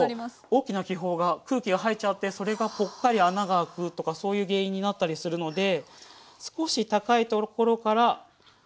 大きな気泡が空気が入っちゃってそれがポッカリ穴があくとかそういう原因になったりするので少し高いところから。